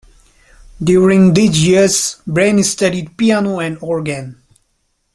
During these years, Brain studied piano and organ.